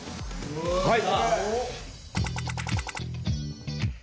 「はい」